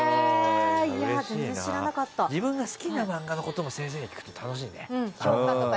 自分が好きな漫画のことも先生に聞くと楽しいね。